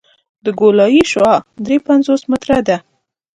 د ګولایي شعاع درې سوه پنځوس متره ده